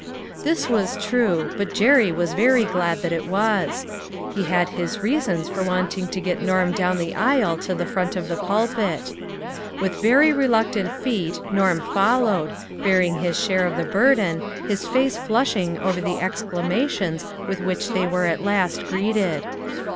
This was true, but Jerry was very glad that it was. He had his reasons for wanting to get Norm down the aisle to the front of the pulpit. With very reluctant feet Norm followed, bear ing his share of the burden, his face flushing over the exclamations with which they were at last greeted.